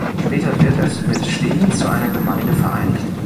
Später wird es mit Stegen zu einer Gemeinde vereinigt.